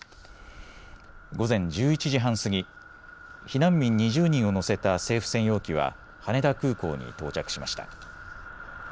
午前１１時半過ぎ、避難民２０人を乗せた政府専用機は羽田空港に到着しました。